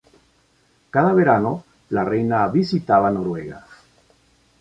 Cada verano, la reina visitaba Noruega.